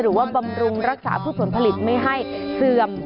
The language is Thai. หรือว่าบำรุงรักษาผู้ส่วนผลิตไม่ให้เสื่อม